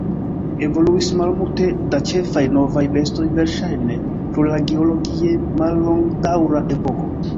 Evoluis malmulte da ĉefaj novaj bestoj, verŝajne pro la geologie mallongdaŭra epoko.